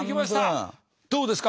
どうですか？